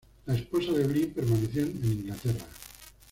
La esposa de Bligh permaneció en Inglaterra.